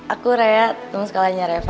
aku raya tunggu sekalian nyari apa